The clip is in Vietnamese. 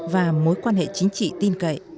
và mối quan hệ chính trị tin cậy